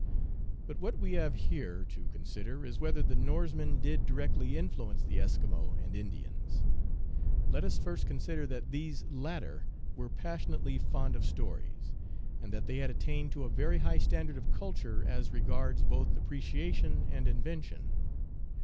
But what we have here to consider is whether the Norsemen did directly influence the Eskimo and Indians. Let us first consider that these latter were passionately fond of stories, and that they had attained to a very high standard of culture as regards both appreciation and invention.